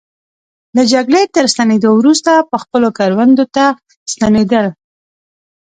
له جګړې تر ستنېدو وروسته به خپلو کروندو ته ستنېدل.